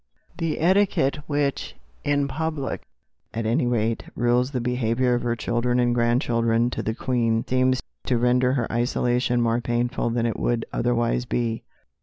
The etiquette which, in public at any rate, rules the behaviour of her children and grandchildren to the Queen, seems to render her isolation more painful than it would otherwise be.